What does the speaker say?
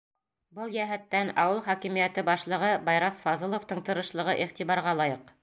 Был йәһәттән ауыл хакимиәте башлығы Байрас Фазыловтың тырышлығы иғтибарға лайыҡ.